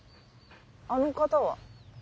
あの方は？